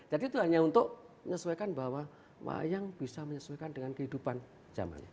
jadi itu hanya untuk menyesuaikan bahwa wayang bisa menyesuaikan dengan kehidupan zamannya